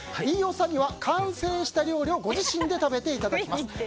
飯尾さんには完成した料理をご自身で食べていただきます。